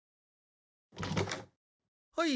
はい。